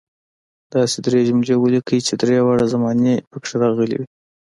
داسې درې جملې ولیکئ چې درې واړه زمانې پکې راغلي وي.